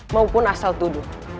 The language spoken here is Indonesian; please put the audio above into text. maupun asal tuduh